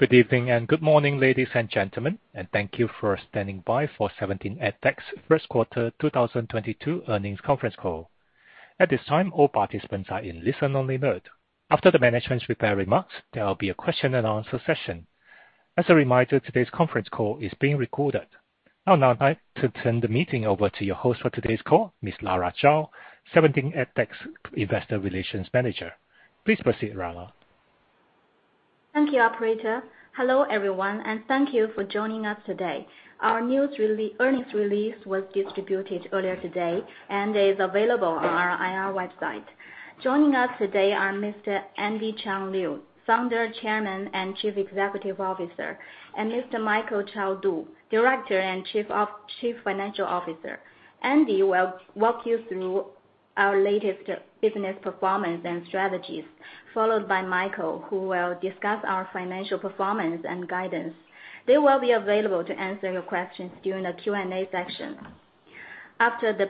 Good evening and good morning ladies and gentlemen and thank you for standing by for 17 Education & Technology Group Inc.'s First Quarter 2022 Earnings Conference Call. At this time, all participants are in listen-only mode. After the management's prepared remarks, there will be a question and answer session. As a reminder, today's conference call is being recorded. I'll now like to turn the meeting over to your host for today's call, Ms. Lara Zhao, 17 Education & Technology Group Inc.'s Investor Relations Manager. Please proceed, Lara. Thank you operator. Hello everyone and thank you for joining us today. Our earnings release was distributed earlier today and is available on our IR website. Joining us today are Mr. Andy Chang Liu, Founder, Chairman, and Chief Executive Officer, and Mr. Michael Chao Du, Director and Chief Financial Officer. Andy will walk you through our latest business performance and strategies, followed by Michael, who will discuss our financial performance and guidance. They will be available to answer your questions during the Q&A section after the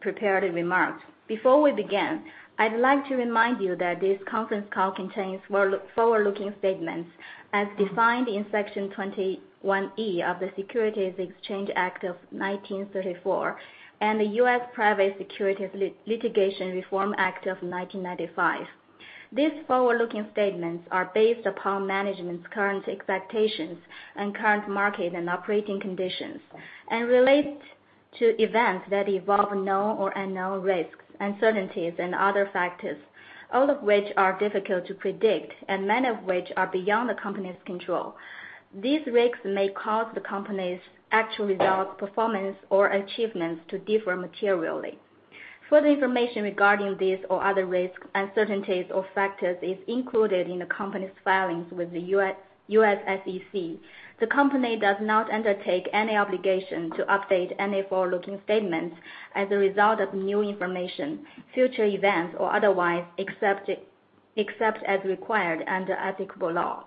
prepared remarks. Before we begin, I'd like to remind you that this conference call contains forward-looking statements as defined in Section 21E of the Securities Exchange Act of 1934 and the U.S. Private Securities Litigation Reform Act of 1995. These forward-looking statements are based upon management's current expectations and current market and operating conditions and relate to events that involve known or unknown risks, uncertainties and other factors, all of which are difficult to predict and many of which are beyond the company's control. These risks may cause the company's actual results, performance or achievements to differ materially. Further information regarding these or other risks, uncertainties or factors is included in the company's filings with the U.S. SEC. The company does not undertake any obligation to update any forward-looking statements as a result of new information, future events, or otherwise, except as required under applicable law.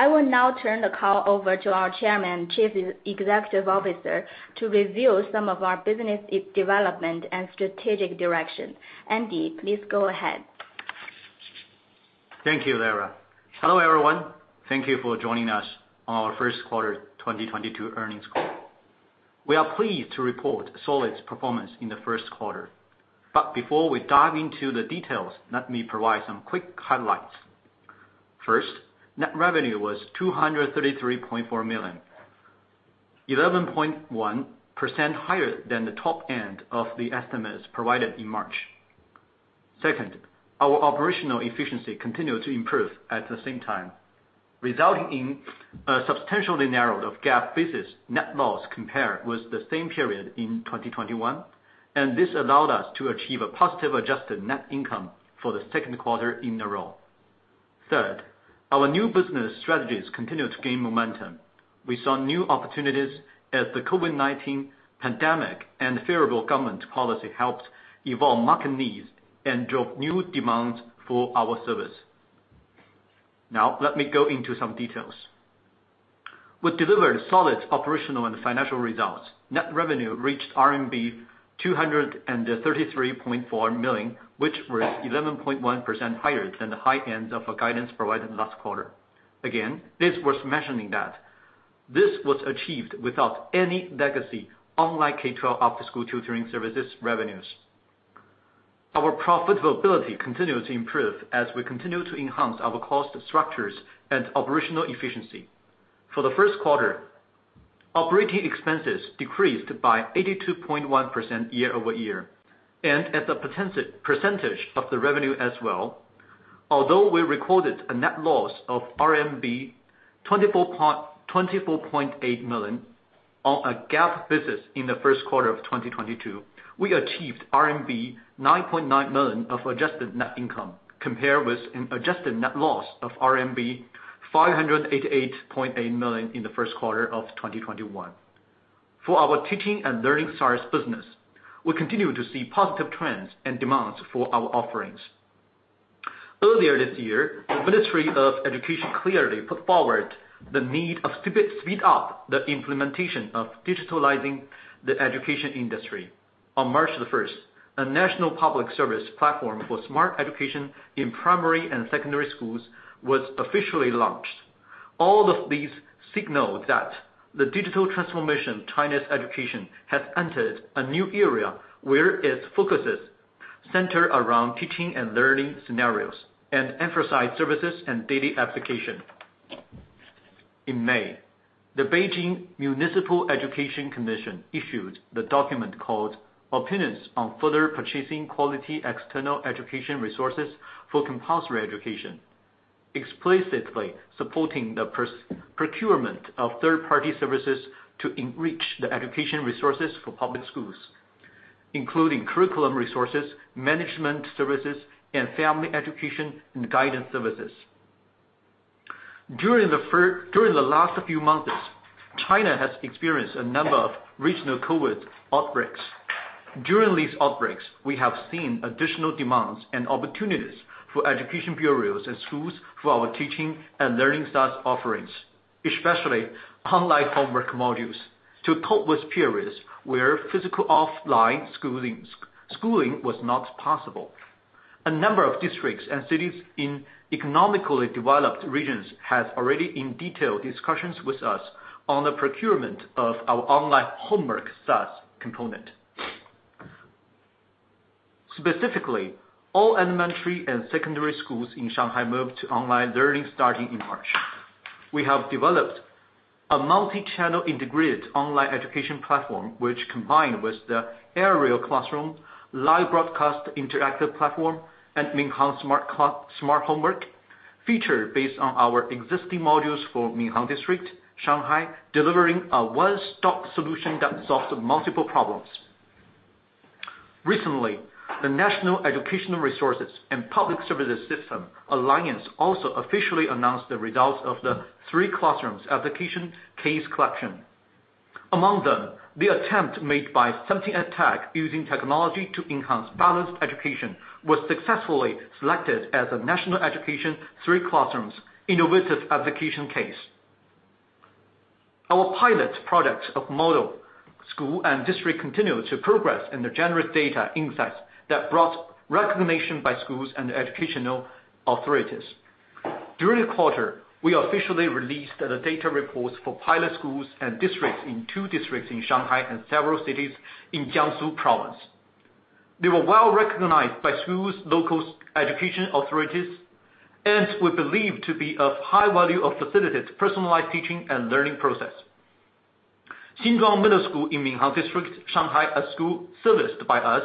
I will now turn the call over to our Chairman and Chief Executive Officer to review some of our business development and strategic direction. Andy, please go ahead. Thank you Lara. Hello everyone. Thank you for joining us on our first quarter 2022 earnings call. We are pleased to report solid performance in the first quarter. Before we dive into the details, let me provide some quick highlights. First, net revenue was 233.4 million, 11.1% higher than the top end of the estimates provided in March. Second, our operational efficiency continued to improve at the same time, resulting in a substantially narrowed GAAP business net loss compared with the same period in 2021. This allowed us to achieve a positive adjusted net income for the second quarter in a row. Third, our new business strategies continued to gain momentum. We saw new opportunities as the COVID-19 pandemic and favorable government policy helped evolve market needs and drove new demands for our service. Now, let me go into some details. We delivered solid operational and financial results. Net revenue reached RMB 233.4 million, which was 11.1% higher than the high end of our guidance provided last quarter. It's worth mentioning that this was achieved without any legacy, unlike K-12 after-school tutoring services revenues. Our profitability continued to improve as we continue to enhance our cost structures and operational efficiency. For the first quarter, operating expenses decreased by 82.1% year-over-year, and as a percentage of the revenue as well. Although we recorded a net loss of RMB 24.8 million on a GAAP basis in the first quarter of 2022, we achieved RMB 9.9 million of adjusted net income, compared with an adjusted net loss of RMB 588.8 million in the first quarter of 2021. For our teaching and learning service business, we continue to see positive trends and demands for our offerings. Earlier this year, the Ministry of Education clearly put forward the need to speed up the implementation of digitizing the education industry. On March 1st, a national public service platform for smart education in primary and secondary schools was officially launched. All of these signal that the digital transformation of China's education has entered a new era where its focuses center around teaching and learning scenarios and emphasize services and daily application. In May, the Beijing Municipal Education Commission issued the document called Opinions on Further Purchasing Quality External Education Resources for Compulsory Education, explicitly supporting the procurement of third-party services to enrich the education resources for public schools, including curriculum resources, management services, and family education and guidance services. During the last few months, China has experienced a number of regional COVID outbreaks. During these outbreaks, we have seen additional demands and opportunities for education bureaus and schools for our teaching and learning style offerings, especially online homework modules, to cope with periods where physical offline schooling was not possible. A number of districts and cities in economically developed regions have already in detail discussions with us on the procurement of our online homework SaaS component. Specifically, all elementary and secondary schools in Shanghai moved to online learning starting in March. We have developed a multi-channel integrated online education platform which combined with the Air Classroom, live broadcast interactive platform, and Minhang Smart Homework feature based on our existing modules for Minhang District, Shanghai, delivering a one-stop solution that solves multiple problems. Recently, the National Public Service Platform for Educational Resources also officially announced the results of the Three Classrooms application case collection. Among them, the attempt made by 17 Education & Technology Group Inc. using technology to enhance balanced education was successfully selected as a national education Three Classrooms innovative application case. Our pilot projects of model school and district continue to progress in the genuine data insights that brought recognition by schools and educational authorities. During the quarter, we officially released the data reports for pilot schools and districts in two districts in Shanghai and several cities in Jiangsu Province. They were well-recognized by schools, local education authorities, and we believe to be of high value to facilitate personalized teaching and learning process. Xinzhuang Middle School in Minhang District, Shanghai, a school serviced by us,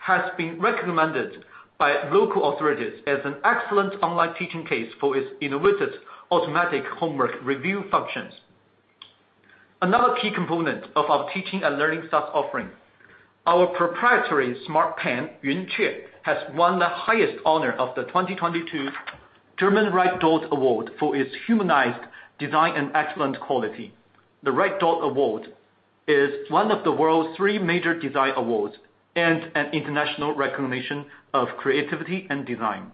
has been recommended by local authorities as an excellent online teaching case for its innovative automatic homework review functions. Another key component of our teaching and learning SaaS offering, our proprietary smart pen, Yunci, has won the highest honor of the 2022 German Red Dot Award for its humanized design and excellent quality. The Red Dot Award is one of the world's three major design awards and an international recognition of creativity and design.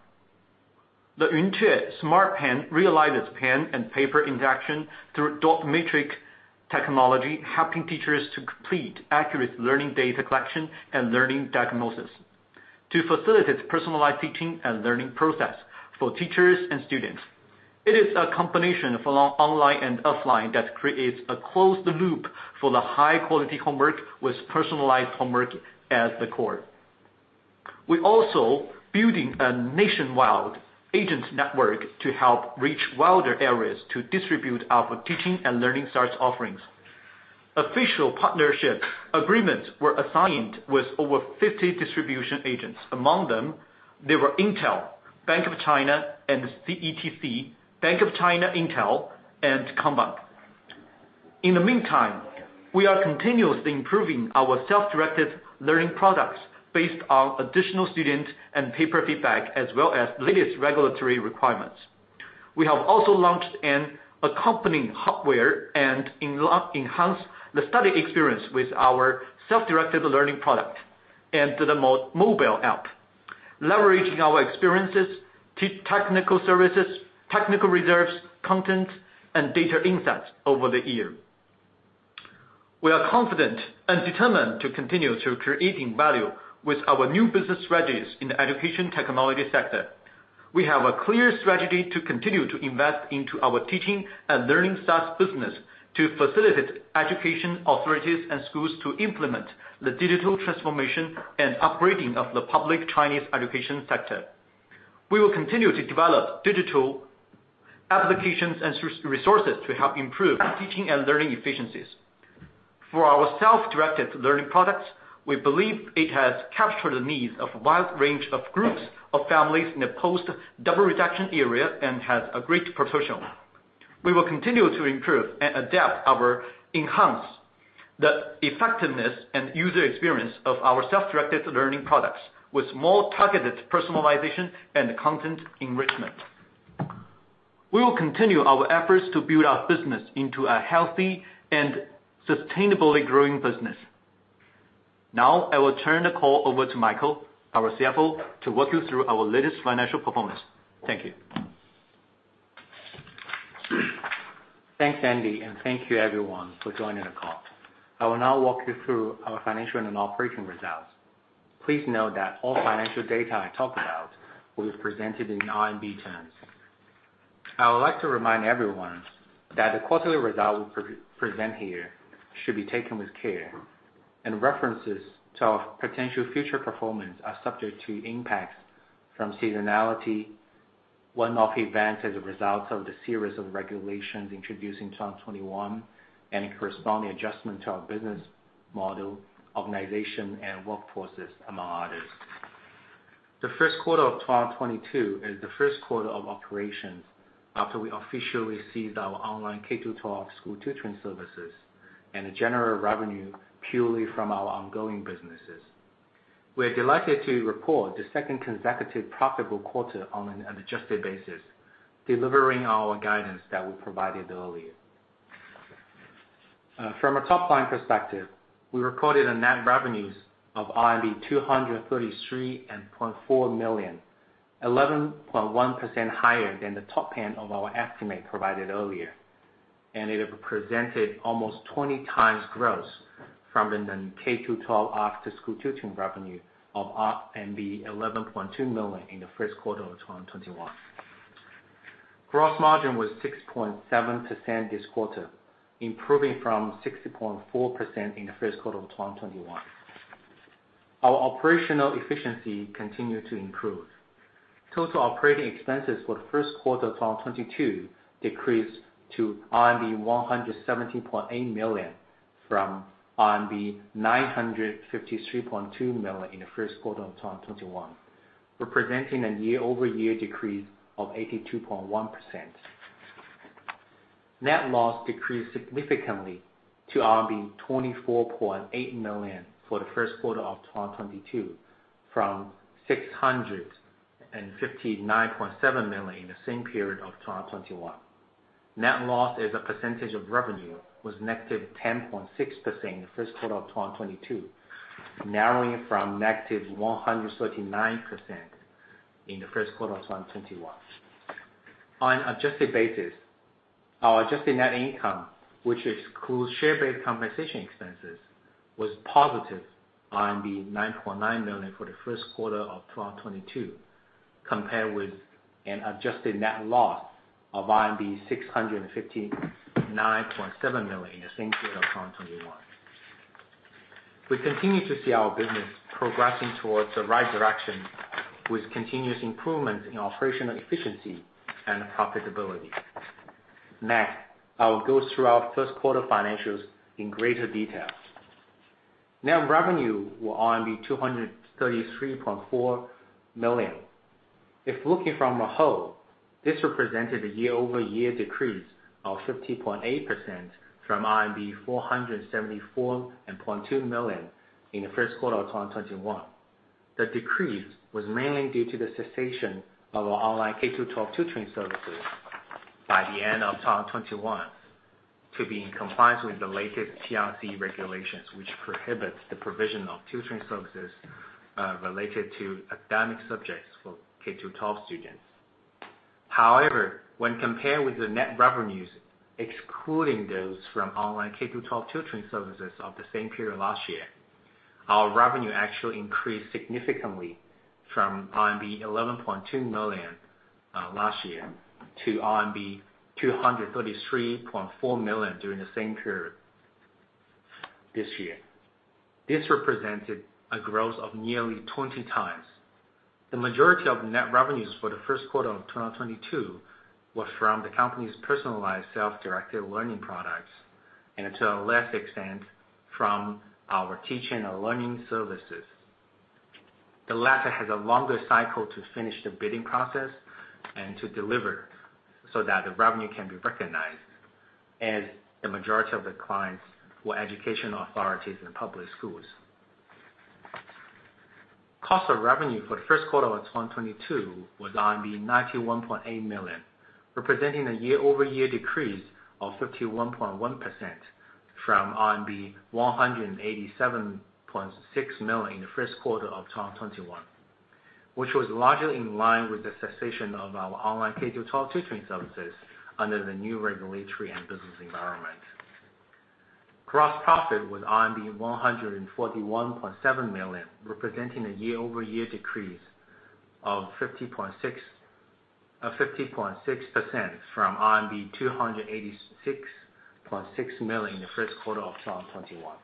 The Yunci smart pen realizes pen and paper interaction through dot matrix technology, helping teachers to complete accurate learning data collection and learning diagnosis, to facilitate personalized teaching and learning process for teachers and students. It is a combination of online and offline that creates a closed loop for the high-quality homework with personalized homework as the core. We are also building a nationwide agent network to help reach wider areas to distribute our teaching and learning SaaS offerings. Official partnership agreements were signed with over 50 distribution agents. Among them, there were Intel, Bank of China, and CETC, Bank of China, Intel, and Bank of Communications. In the meantime, we are continuously improving our self-directed learning products based on additional student and parent feedback, as well as latest regulatory requirements. We have also launched an accompanying hardware to enhance the study experience with our self-directed learning product and the mobile app, leveraging our experiences, technical services, technical reserves, content, and data insights over the year. We are confident and determined to continue creating value with our new business strategies in the education technology sector. We have a clear strategy to continue to invest into our teaching and learning SaaS business to facilitate education authorities and schools to implement the digital transformation and upgrading of the public Chinese education sector. We will continue to develop digital applications and SaaS resources to help improve teaching and learning efficiencies. For our self-directed learning products, we believe it has captured the needs of a wide range of groups of families in a post Double Reduction era and has a great potential. We will continue to enhance the effectiveness and user experience of our self-directed learning products with more targeted personalization and content enrichment. We will continue our efforts to build our business into a healthy and sustainably growing business. Now, I will turn the call over to Michael, our CFO, to walk you through our latest financial performance. Thank you. Thanks Andy and thank you everyone for joining the call. I will now walk you through our financial and operating results. Please note that all financial data I talk about will be presented in RMB terms. I would like to remind everyone that the quarterly result we present here should be taken with care, and references to our potential future performance are subject to impacts from seasonality, one-off events as a result of the series of regulations introduced in 2021, and a corresponding adjustment to our business model, organization, and workforces, among others. The first quarter of 2022 is the first quarter of operations after we officially ceased our online K-12 school tutoring services and general revenue purely from our ongoing businesses. We are delighted to report the second consecutive profitable quarter on an adjusted basis, delivering our guidance that we provided earlier. From a top-line perspective, we recorded a net revenues of RMB 233.4 million, 11.1% higher than the top end of our estimate provided earlier. It represented almost 20x growth from the K-12 after school tutoring revenue of RMB 11.2 million in the first quarter of 2021. Gross margin was 6.7% this quarter, improving from 60.4% in the first quarter of 2021. Our operational efficiency continued to improve. Total operating expenses for the first quarter of 2022 decreased to RMB 117.8 million, from RMB 953.2 million in the first quarter of 2021, representing a year-over-year decrease of 82.1%. Net loss decreased significantly to 24.8 million for the first quarter of 2022 from 659.7 million in the same period of 2021. Net loss as a percentage of revenue was -10.6% in the first quarter of 2022, narrowing from -139% in the first quarter of 2021. On adjusted basis, our adjusted net income, which excludes share-based compensation expenses, was positive RMB 9.9 million for the first quarter of 2022, compared with an adjusted net loss of 659.7 million in the same period of 2021. We continue to see our business progressing towards the right direction with continuous improvement in operational efficiency and profitability. Next, I will go through our first quarter financials in greater detail. Net revenue was 233.4 million. If looking from a whole, this represented a year-over-year decrease of 50.8% from RMB 474.2 million in the first quarter of 2021. The decrease was mainly due to the cessation of our online K-12 tutoring services by the end of 2021 to be in compliance with the latest PRC regulations, which prohibits the provision of tutoring services, related to academic subjects for K-12 students. However, when compared with the net revenues, excluding those from online K-12 tutoring services of the same period last year, our revenue actually increased significantly from RMB 11.2 million last year to RMB 233.4 million during the same period this year. This represented a growth of nearly 20x. The majority of net revenues for the first quarter of 2022 was from the company's personalized self-directed learning products, and to a less extent, from our teaching and learning services. The latter has a longer cycle to finish the bidding process and to deliver so that the revenue can be recognized, as the majority of the clients were educational authorities in public schools. Cost of revenue for the first quarter of 2022 was 91.8 million, representing a year-over-year decrease of 51.1% from RMB 187.6 million in the first quarter of 2021, which was largely in line with the cessation of our online K-12 tutoring services under the new regulatory and business environment. Gross profit was 141.7 million, representing a year-over-year decrease of 50.6% from RMB 286.6 million in the first quarter of 2021.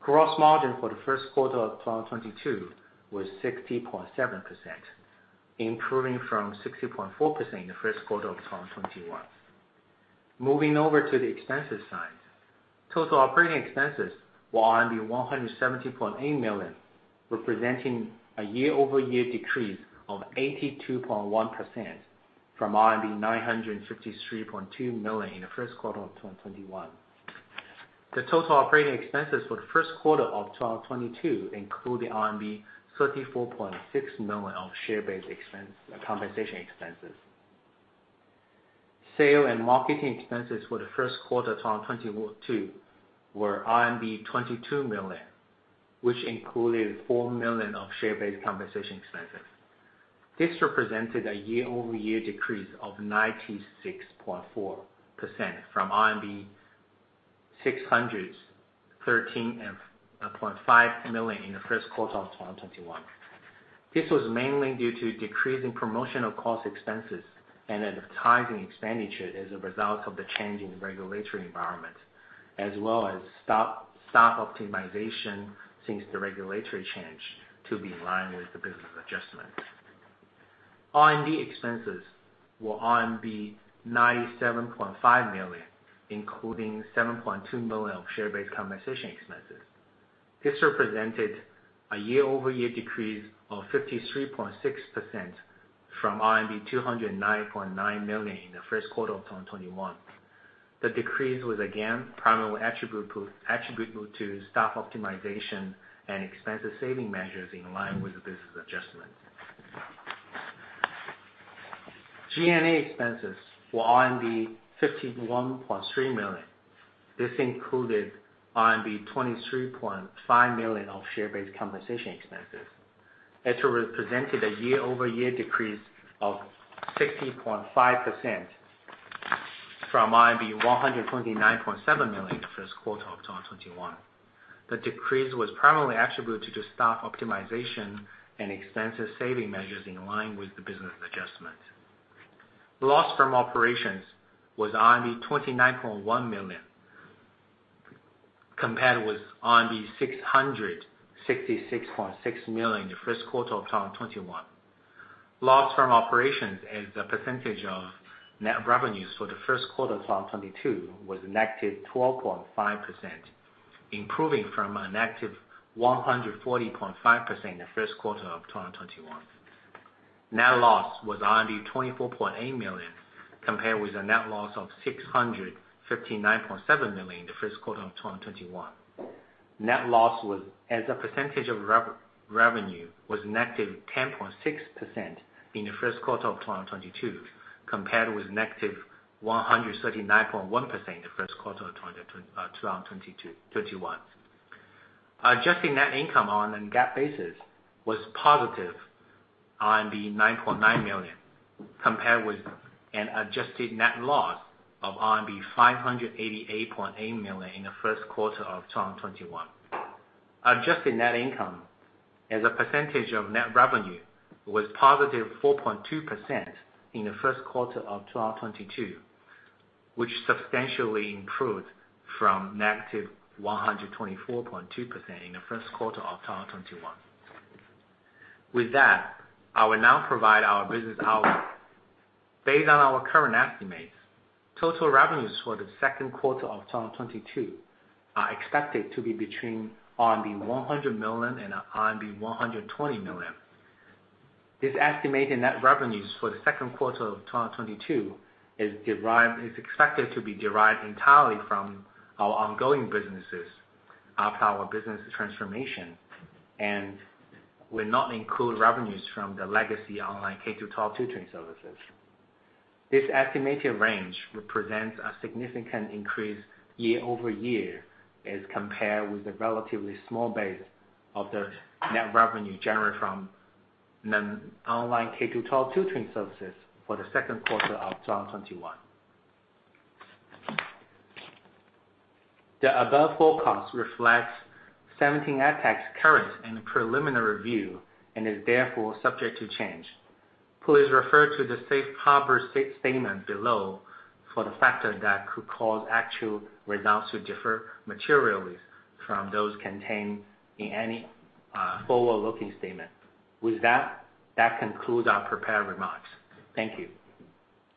Gross margin for the first quarter of 2022 was 60.7%, improving from 60.4% in the first quarter of 2021. Moving over to the expenses side. Total operating expenses were 170.8 million, representing a year-over-year decrease of 82.1% from RMB 953.2 million in the first quarter of 2021. The total operating expenses for the first quarter of 2022 include the RMB 34.6 million of share-based compensation expenses. Sales and marketing expenses for the first quarter of 2022 were RMB 22 million, which included 4 million of share-based compensation expenses. This represented a year-over-year decrease of 96.4% from RMB 613.5 million in the first quarter of 2021. This was mainly due to decrease in promotional cost expenses and advertising expenditure as a result of the change in regulatory environment, as well as optimization since the regulatory change to be in line with the business adjustment. R&D expenses were RMB 97.5 million, including 7.2 million of share-based compensation expenses. This represented a year-over-year decrease of 53.6% from RMB 209.9 million in the first quarter of 2021. The decrease was again primarily attributable to staff optimization and expense saving measures in line with the business adjustment. G&A expenses were RMB 51.3 million. This included RMB 23.5 million of share-based compensation expenses. It represented a year-over-year decrease of 60.5% from 129.7 million the first quarter of 2021. The decrease was primarily attributed to the staff optimization and extensive saving measures in line with the business adjustment. Loss from operations was RMB 29.1 million compared with RMB 666.6 million the first quarter of 2021. Loss from operations as a percentage of net revenues for the first quarter of 2022 was -12.5%, improving from a -140.5% the first quarter of 2021. Net loss was 24.8 million compared with a net loss of 659.7 million the first quarter of 2021. Net loss as a percentage of revenue was -10.6% in the first quarter of 2022 compared with -139.1% in the first quarter of 2021. Adjusted net income on a non-GAAP basis was 9.9 million compared with an adjusted net loss of RMB 588.8 million in the first quarter of 2021. Adjusted net income as a percentage of net revenue was 4.2% in the first quarter of 2022, which substantially improved from -124.2% in the first quarter of 2021. With that, I will now provide our business outlook. Based on our current estimates, total revenues for the second quarter of 2022 are expected to be between RMB 100 million and RMB 120 million. This estimated net revenues for the second quarter of 2022 is expected to be derived entirely from our ongoing businesses after our business transformation and will not include revenues from the legacy online K-12 tutoring services. This estimated range represents a significant increase year-over-year as compared with the relatively small base of the net revenue generated from the online K-12 tutoring services for the second quarter of 2021. The above forecast reflects 17 Education & Technology Group Inc.'s current and preliminary review and is therefore subject to change. Please refer to the safe harbor statement below for the factors that could cause actual results to differ materially from those contained in any forward-looking statement. With that concludes our prepared remarks. Thank you.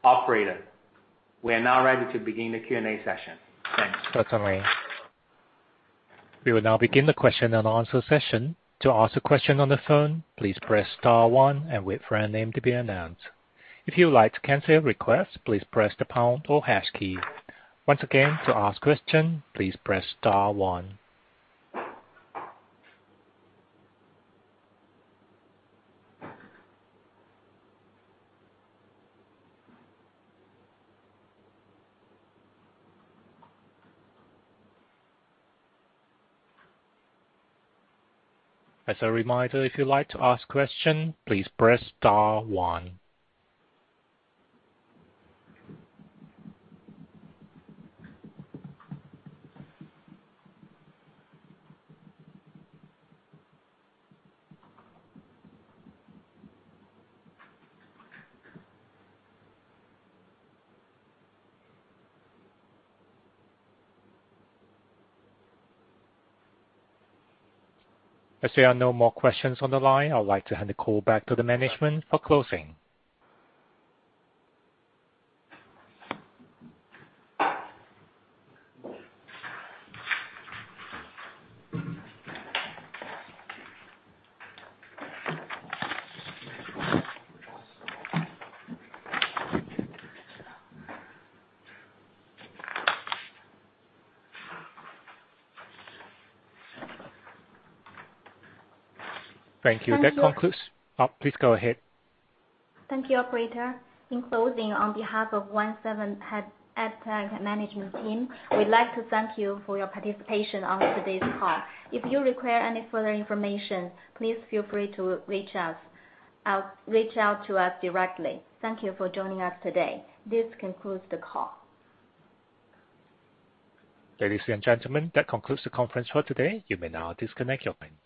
Operator, we are now ready to begin the Q&A session. Thanks. Certainly. We will now begin the question and answer session. To ask a question on the phone, please press star one and wait for your name to be announced. If you would like to cancel your request, please press the pound or hash key. Once again, to ask question, please press star one. As a reminder, if you'd like to ask question, please press star one. As there are no more questions on the line, I'd like to hand the call back to the management for closing. Thank you. That concludes. Thank you. Oh, please go ahead. Thank you operator. In closing, on behalf of 17 Education & Technology Group Inc. management team, we'd like to thank you for your participation on today's call. If you require any further information, please feel free to reach out to us directly. Thank you for joining us today. This concludes the call. Ladies and gentlemen, that concludes the conference call today. You may now disconnect your lines.